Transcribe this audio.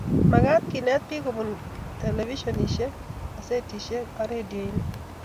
magaat keenet biik kobun televishionishek, kasetishek ago redionik